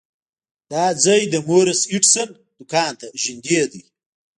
دا ځای د مورس هډسن دکان ته نږدې دی.